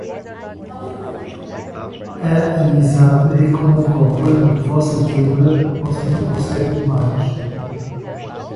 A amizade é como um copo: quando você quebra, você não consegue mais.